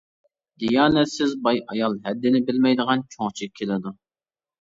دىيانەتسىز باي ئايال ھەددىنى بىلمەيدىغان، چوڭچى كېلىدۇ.